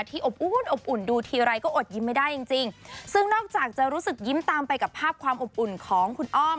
อบอุ่นอบอุ่นดูทีไรก็อดยิ้มไม่ได้จริงจริงซึ่งนอกจากจะรู้สึกยิ้มตามไปกับภาพความอบอุ่นของคุณอ้อม